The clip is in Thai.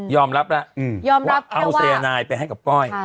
ยอมรับแล้วว่าเอาเซอร์ไนไปให้กับก้อย